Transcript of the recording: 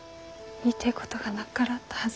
言いてえことがなっからあったはず